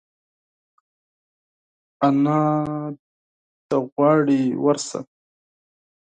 انا دي غواړي ورشه !